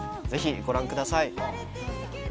ぜひご覧ください。